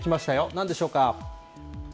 なんでしょうか。